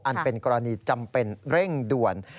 เป็นกรณีจำเป็นเร่งด่วน